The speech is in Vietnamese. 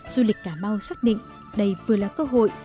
du lịch cà mau xác định đây vừa là cơ hội